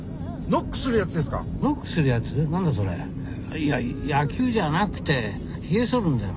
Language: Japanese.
いや野球じゃなくてひげそるんだよ。